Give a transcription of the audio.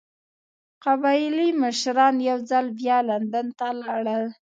قبایلي مشران یو ځل بیا لندن ته لاړل.